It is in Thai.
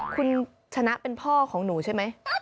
คุณชนะเป็นพ่อของหนูใช่ไหม